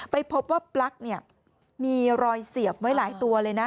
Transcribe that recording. ไปพบว่าปลั๊กเนี่ยมีรอยเสียบไว้หลายตัวเลยนะ